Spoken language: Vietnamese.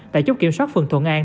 tại chốc kiểm soát phường thuận an